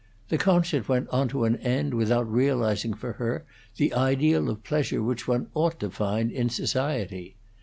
The concert went onto an end without realizing for her the ideal of pleasure which one ought to find. in society.